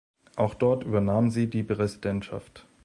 Auch dort übernahm sie die Präsidentschaft.